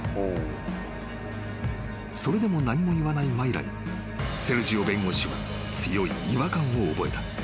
［それでも何も言わないマイラにセルジオ弁護士は強い違和感を覚えた］